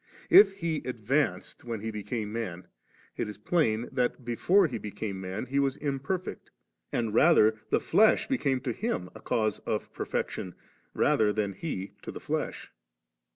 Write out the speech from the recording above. If He advanced 3 when He became man, it is plain that, before He be came man. He was imperfect ; and rather the flesh became to Him a cause of perfection, than He to the flesh.